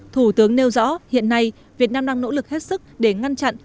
thủ tướng nêu rõ hiện nay việt nam đang nỗ lực hết sức để ngăn chặn